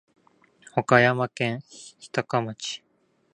和歌山県日高町